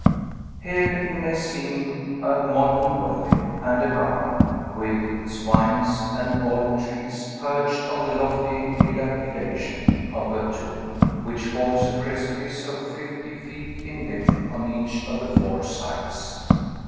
Here you may see a modern dwelling, and a garden with its vines and olive trees, perched on the lofty dilapidation of a tomb, which forms a precipice of fifty feet in depth on each of the four sides.